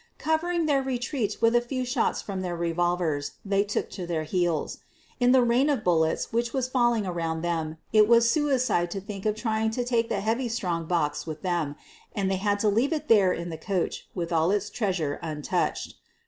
Covering their retreat with a few shots from their revolvers, they took to their heels. In the rain of bullets which was falling around them it was suicide to think of trying to take the heavy strong box with them, and they had to leave it there in the coach with all its treasure untouched.